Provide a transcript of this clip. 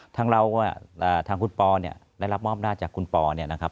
ทั้งเราอ่าทางคุณปอเนี้ยได้รับมอบราชจากคุณปอเนี้ยนะครับ